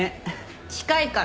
近いから。